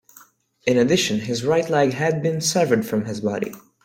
In addition, his right leg had been severed from his body.